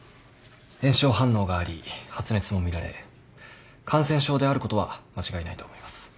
炎症反応があり発熱も見られ感染症であることは間違いないと思います。